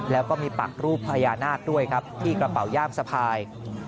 แล้วก็มีปักรูปพญานาคด้วยครับที่กระเป๋าย่ามสะพาย